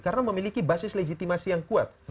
karena memiliki basis legitimasi yang kuat